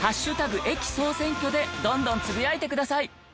駅総選挙でどんどんつぶやいてください。